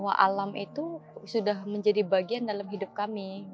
bahwa alam itu sudah menjadi bagian dalam hidup kami